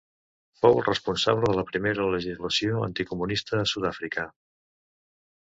Fou el responsable de la primera legislació anticomunista a Sud-àfrica.